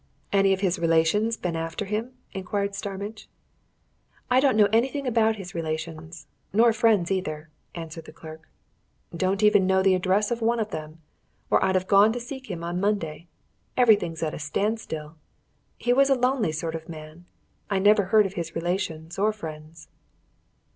"Any of his relations been after him?" inquired Starmidge. "I don't know anything about his relations nor friends, either," answered the clerk. "Don't even know the address of one of them, or I'd have gone to seek him on Monday everything's at a standstill. He was a lonely sort of man I never heard of his relations or friends."